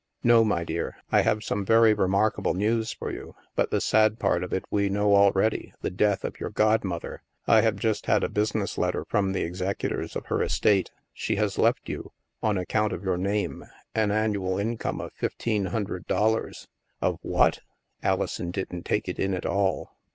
" No, my dear. I have some very remarkable news for you, but the sad part of it we know al ready — the death of your godmother. I have just had a business letter from the executors of her es tate. She has left you — on account of your name — an annual income of fifteen hundred dollars." " Of what?" Alison didn't take it in at all.